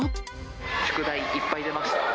宿題、いっぱい出ました？